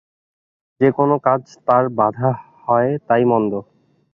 যে-কোন কাজ তার বাধা হয়, তাই মন্দ।